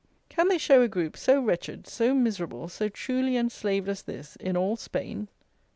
Can they show a group so wretched, so miserable, so truly enslaved as this, in all Spain?